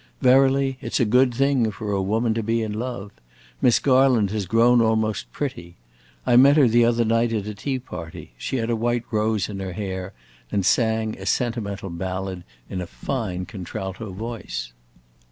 Verily, it 's a good thing for a woman to be in love: Miss Garland has grown almost pretty. I met her the other night at a tea party; she had a white rose in her hair, and sang a sentimental ballad in a fine contralto voice."